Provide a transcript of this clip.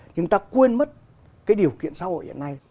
nhưng ta quên mất cái điều kiện xã hội hiện nay